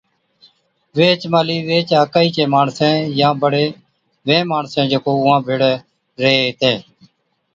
ويھِچ مھلِي ويھِچ آڪھِي چين ماڻسين يا بڙي وي ماڻسين جڪو اُونھان ڀيڙَي ريھين ھِتين